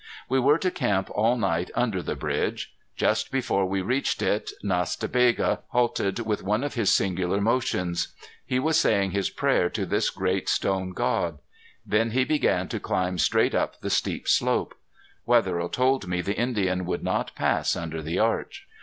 We were to camp all night under the bridge. Just before we reached it Nas ta Bega halted with one of his singular motions. He was saying his prayer to this great stone god. Then he began to climb straight up the steep slope. Wetherill told me the Indian would not pass under the arch.